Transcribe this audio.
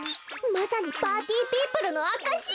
まさにパーティーピープルのあかし！